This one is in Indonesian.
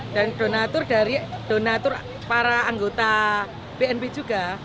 dan donatur dari donatur para anggota bnp juga